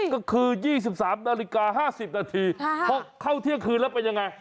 ก็คือ๒๓นาฬิกา๕๐นาทีพอเข้าเที่ยงคืนแล้วเป็นยังไง